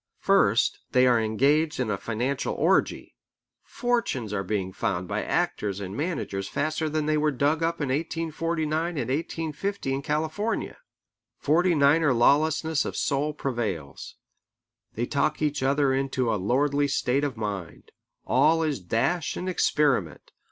First, they are engaged in a financial orgy. Fortunes are being found by actors and managers faster than they were dug up in 1849 and 1850 in California. Forty niner lawlessness of soul prevails. They talk each other into a lordly state of mind. All is dash and experiment.